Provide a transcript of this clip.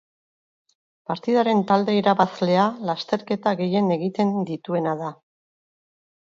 Partidaren talde irabazlea lasterketa gehien egiten dituena da.